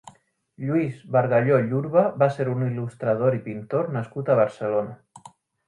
Lluís Bargalló Llurba va ser un il·lustrador i pintor nascut a Barcelona.